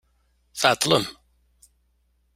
Tɛeṭlem.